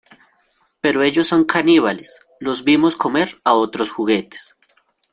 Pero ellos son caníbales. Los vimos comer a otros juguetes .